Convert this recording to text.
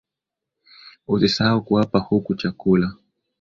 Usisahau kuwapa kuku chakula